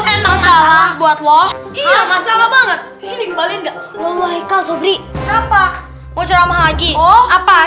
enak salah buat loh iya masalah banget sini kembali enggak walaikumsalam sobri apa apa